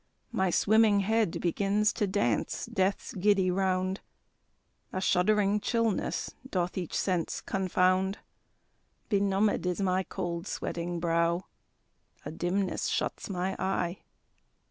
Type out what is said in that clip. My swimming head begins to dance death's giddy round; A shuddering chillness doth each sense confound; Benumbed is my cold sweating brow A dimness shuts my eye.